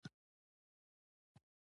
آیا کاناډا د خیریه کارونو دود نلري؟